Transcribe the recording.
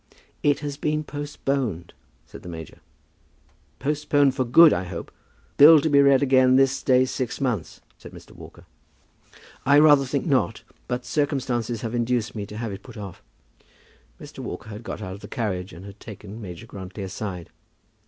"] "It has been postponed," said the major. "Postponed for good, I hope? Bill to be read again this day six months!" said Mr. Walker. "I rather think not. But circumstances have induced me to have it put off." Mr. Walker had got out of the carriage and had taken Major Grantly aside.